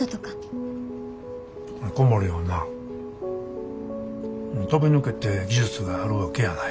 小森はなぁ飛び抜けて技術があるわけやない。